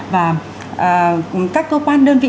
và các cơ quan đơn vị